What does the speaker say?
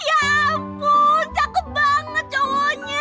ya ampun cakep banget cowoknya